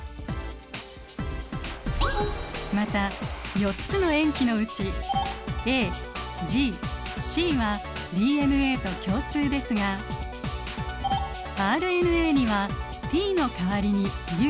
また４つの塩基のうちＡＧＣはＤＮＡと共通ですがＲＮＡには「Ｔ」の代わりに「Ｕ」